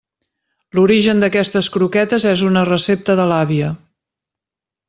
L'origen d'aquestes croquetes és una recepta de l'àvia.